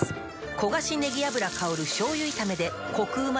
焦がしねぎ油香る醤油炒めでコクうま